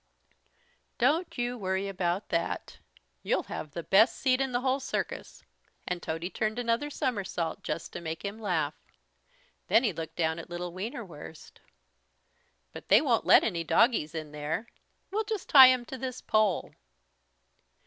"Don't you worry about that. You'll have the best seat in the whole circus." And Tody turned another somersault just to make him laugh. Then he looked down at little Wienerwurst. "But they won't let any doggies in there. We'll just tie him to this pole."